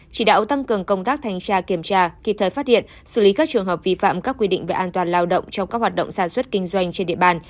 chỉ đạo tăng cường công tác thanh tra kiểm tra kịp thời phát hiện xử lý các trường hợp vi phạm các quy định về an toàn lao động trong các hoạt động sản xuất kinh doanh trên địa bàn